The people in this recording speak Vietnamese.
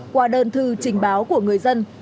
qua đơn thư trình báo của người dân